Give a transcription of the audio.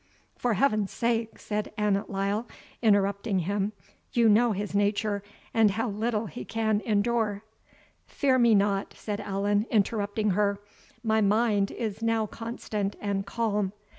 "For heaven's sake," said Annot Lyle, interrupting him, "you know his nature, and how little he can endure " "Fear me not," said Allan, interrupting her, "my mind is now constant and calm.